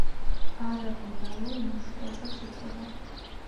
არალეგალურ მუშაობას ეწეოდა.